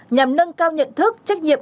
nhằm nâng cao nhận thức trách nhiệm